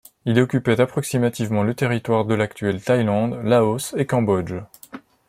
Il occupait approximativement le territoire de l'actuelle Thaïlande, Laos et Cambodge.